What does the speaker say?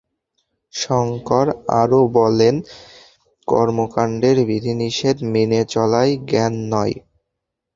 শঙ্কর আরও বলেন, কর্মকাণ্ডের বিধিনিষেধ মেনে চলাই জ্ঞান নয়।